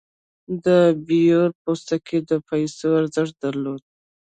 د بیور پوستکی د پیسو ارزښت درلود.